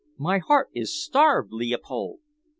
My heart is starved, Leopold."